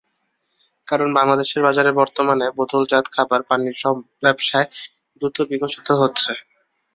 কারণ বাংলাদেশের বাজারে বর্তমানে বোতলজাত খাবার পানির ব্যবসায় দ্রুত বিকশিত হচ্ছে।